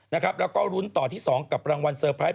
แล้วก็รุ้นต่อที่๒กับรางวัลเซอร์ไพรส